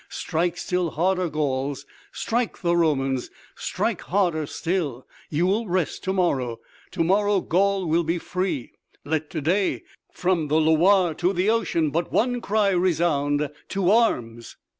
Strike still harder, Gauls! Strike the Romans! Strike harder still! You will rest to morrow.... To morrow Gaul will be free! Let, to day, from the Loire to the ocean, but one cry resound 'To arms!'"